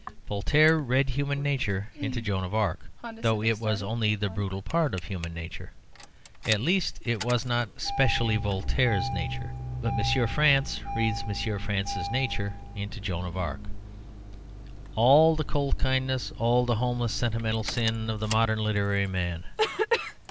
Voltaire read human nature into Joan of Arc, though it was only the brutal part of human nature. At least it was not specially Voltaire's nature. But M. France read M. France's nature into Joan of Arc all the cold kindness, all the homeless sentimental sin of the modern literary man.